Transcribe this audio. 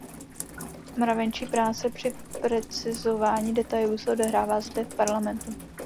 Mravenčí práce při precizování detailů se odehrává zde, v Parlamentu.